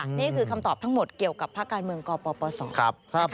นี่คือคำตอบทั้งหมดเกี่ยวกับภาคการเมืองกปศครับ